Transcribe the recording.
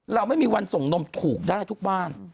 เราไม่มีวันส่งนมถูกได้ทุกบ้าน